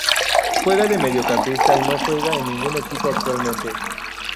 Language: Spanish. Juega de mediocampista y no juega en ningún equipo actualmente